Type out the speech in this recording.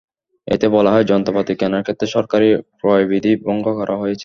এতে বলা হয়, যন্ত্রপাতি কেনার ক্ষেত্রে সরকারি ক্রয়বিধি ভঙ্গ করা হয়েছে।